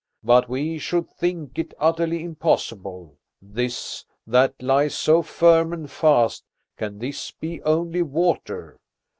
But we should think it utterly impossible. This that lies so firm and fast, can this be only water?